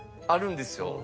あるんですよ。